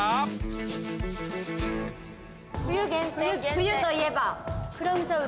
冬といえば。